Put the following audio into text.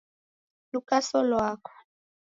Lukaso lwako